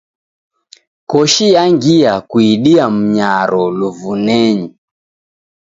Koshi yangia kuidia mnyaro luvunenyi.